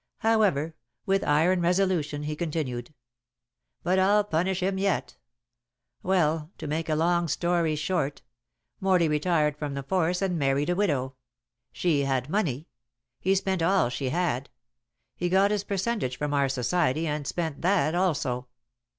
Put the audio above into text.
However, with iron resolution he continued. "But I'll punish him yet. Well, to make a long story short, Morley retired from the force and married a widow. She had money. He spent all she had. He got his percentage from our society, and spent that also.